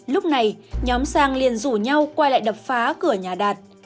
lúc này nhóm sang liền rủ nhau quay lại đập phá cửa nhà đạt